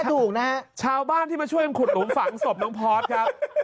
ถูกนะฮะชาวบ้านที่มาช่วยกันขุดหลุมฝังศพน้องพอร์ตครับ